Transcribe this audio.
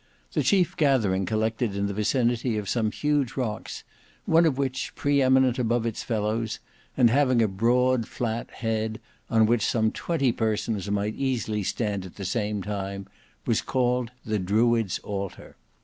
The chief gathering collected in the vicinity of some huge rocks, one of which, pre eminent above its fellows, and having a broad flat head, on which some twenty persons might easily stand at the same time, was called the Druid's Altar.